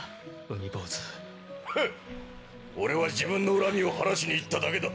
海坊主：俺は自分の恨みを晴らしに行っただけだ。